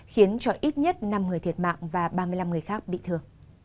khiến cho ít nhất năm người thiệt mạng và ba mươi năm người khác bị thương